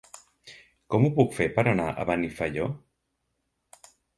Com ho puc fer per anar a Benifaió?